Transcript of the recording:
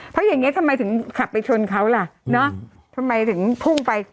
เพราะอย่างนี้ทำไมถึงขับไปชนเขาล่ะเนอะทำไมถึงพุ่งไป